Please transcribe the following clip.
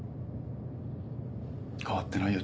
変わってないよ